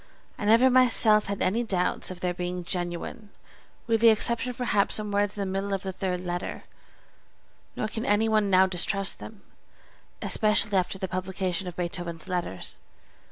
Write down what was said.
I never myself had any doubts of their being genuine (with the exception of perhaps some words in the middle of the third letter), nor can any one now distrust them, especially after the publication of Beethoven's Letters.